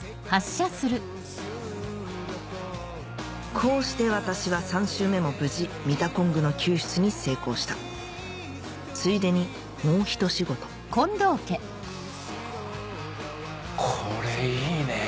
こうして私は３周目も無事ミタコングの救出に成功したついでにもうひと仕事これいいねぇ。